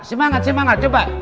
semangat semangat cepat